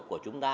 của chúng ta